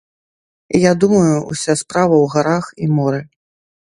Я думаю, уся справа ў гарах і моры.